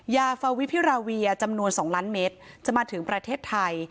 ยาฟาวิพิราเวียจำนวน๒ล้านเมตรจะมาถึงประเทศไทย